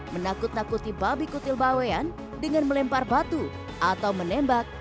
menakut nakuti babi kutil bawean dengan melempar batu atau menembak